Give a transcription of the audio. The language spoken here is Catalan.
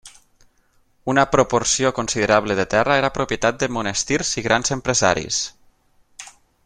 Una proporció considerable de terra era propietat de monestirs i grans empresaris.